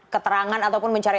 keterangan ataupun mencari